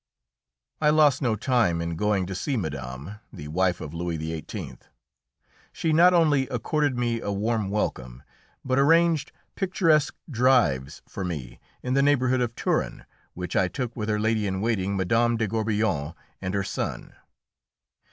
I lost no time in going to see Madame, the wife of Louis XVIII. She not only accorded me a warm welcome, but arranged picturesque drives for me in the neighbourhood of Turin, which I took with her lady in waiting, Mme. de Gourbillon, and her son.